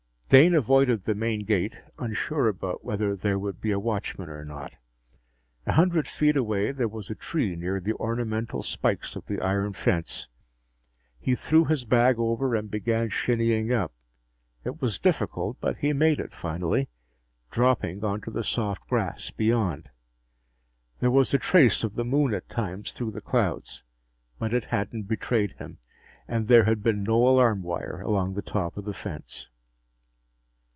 Dane avoided the main gate, unsure about whether there would be a watchman or not. A hundred feet away, there was a tree near the ornamental spikes of the iron fence. He threw his bag over and began shinnying up. It was difficult, but he made it finally, dropping onto the soft grass beyond. There was the trace of the Moon at times through the clouds, but it hadn't betrayed him, and there had been no alarm wire along the top of the fence.